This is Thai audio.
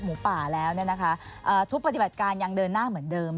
หมูป่าแล้วทุกปฏิบัติการยังเดินหน้าเหมือนเดิม